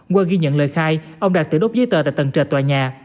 qua ghi nhận lời khai ông đạt tự đốt giấy tờ tại tầng trệt tòa nhà